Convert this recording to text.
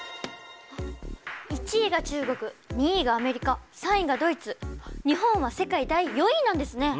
１位が中国２位がアメリカ３位がドイツ日本は世界第４位なんですね。